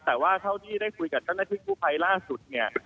แต่ว่าเท่าที่ได้คุยกับเจ้าหน้าที่กู้ภัยล่าสุดเนี่ย